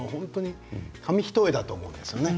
紙一重だと思うんですよね。